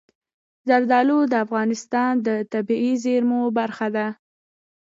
زردالو د افغانستان د طبیعي زیرمو برخه ده.